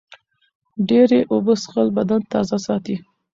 ډېرې اوبه څښل بدن تازه ساتي.